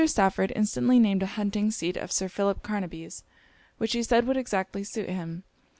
Stafford instantly named a hunting seat of Sir Philip Carnaby's, which he said would exactly suit him.